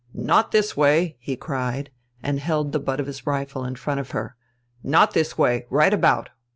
"Not this way!" he cried and held the butt of his rifle in front of her. "Not this way! Right about!